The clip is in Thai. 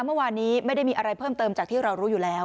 เมื่อวานนี้ไม่ได้มีอะไรเพิ่มเติมจากที่เรารู้อยู่แล้ว